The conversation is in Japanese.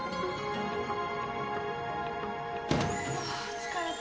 疲れた。